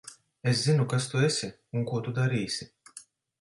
Es zinu, kas tu esi un ko tu darīsi.